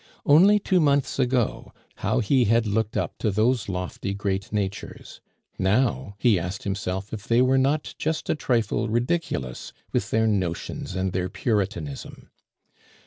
Only two months ago, how he had looked up to those lofty great natures; now he asked himself if they were not just a trifle ridiculous with their notions and their Puritanism.